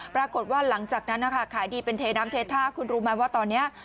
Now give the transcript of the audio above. ปรากฏว่าหลังจากนั้นนะคะขายดีเป็นเทน้ำเทท่าคุณรู้ไหมว่าตอนนี้